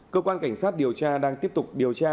cơ quan cảnh sát điều tra đang tiếp tục điều tra